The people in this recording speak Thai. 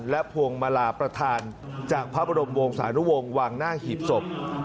และพวงมาลาประธานจากพระบรมวงศานุวงศ์วางหน้าหีบศพ